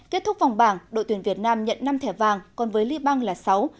kết thúc vòng bảng đội tuyển việt nam nhận năm thẻ vàng còn với liban là sáu